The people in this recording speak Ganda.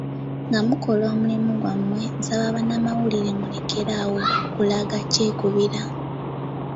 Nga mukola omulimu gwammwe nsaba bannamawulire mulekere awo okulaga kyekubiira.